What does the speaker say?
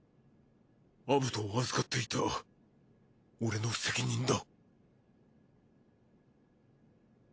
アブトを預かっていた俺の責任だ。